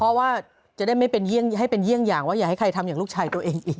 เพราะว่าจะได้ไม่เป็นให้เป็นเยี่ยงอย่างว่าอย่าให้ใครทำอย่างลูกชายตัวเองอีก